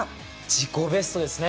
自己ベストですね。